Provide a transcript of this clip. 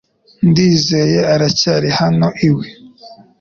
Ndizeye aracyari hano iwe